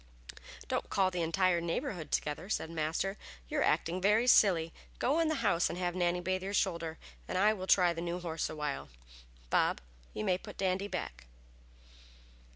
"Don't call the entire neighborhood together," said Master, "you are acting very silly! Go in the house and have Nannie bathe your shoulder, and I will try the new horse awhile. Bob, you may put Dandy back."